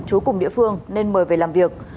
trú cùng địa phương nên mời về làm việc